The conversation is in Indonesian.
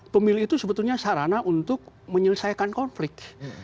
pemilih itu sebetulnya sarana untuk menyelesaikan konflik